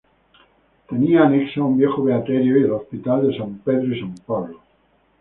Tenía anexa un viejo beaterio y el Hospital de San Pedro y San Pablo.